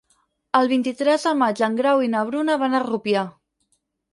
El vint-i-tres de maig en Grau i na Bruna van a Rupià.